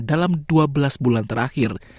dalam dua belas bulan terakhir